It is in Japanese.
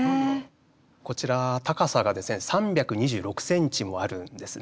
こちら高さが３２６センチもあるんですね。